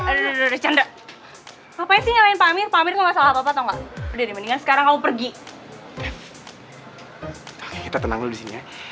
apa apa sih ngapain pamit pamit masalah apa apa sekarang aku pergi